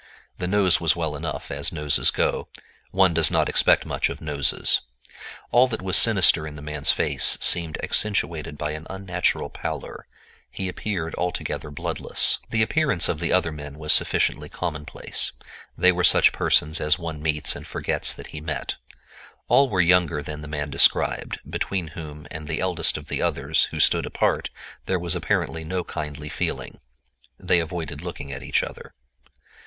The nose was well enough, as noses go; one does not expect much of noses. All that was sinister in the man's face seemed accentuated by an unnatural pallor—he appeared altogether bloodless. The appearance of the other men was sufficiently commonplace; they were such persons as one meets and forgets that he met. All were younger than the man described, between whom and the eldest of the others, who stood apart, there was apparently no kindly feeling. They avoided looking at each other.